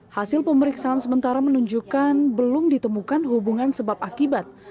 hasil pemeriksaan sementara menunjukkan belum ditemukan hubungan sebab akibat